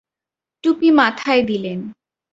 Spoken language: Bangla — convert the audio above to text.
টুপি মাথায় দিলেন।